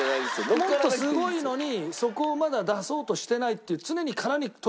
もっとすごいのにそこをまだ出そうとしてないっていう。